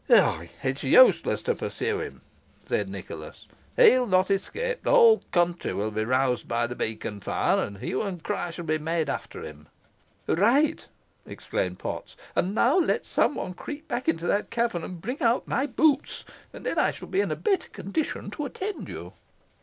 "It is useless to pursue him," said Nicholas. "He will not escape. The whole country will be roused by the beacon fire, and hue and cry shall be made after him." "Right!" exclaimed Potts; "and now let some one creep into that cavern, and bring out my boots, and then I shall be in a better condition to attend you."